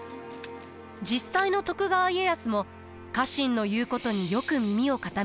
実際の徳川家康も家臣の言うことによく耳を傾けました。